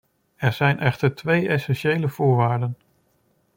Er zijn echter twee essentiële voorwaarden.